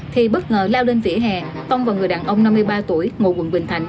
thì bất ngờ lao lên vỉa hè tông vào người đàn ông năm mươi ba tuổi ngụ quận bình thạnh